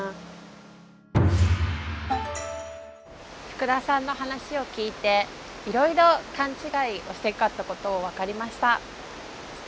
福田さんの話を聞いていろいろ勘違いをしてたって事を分かりました。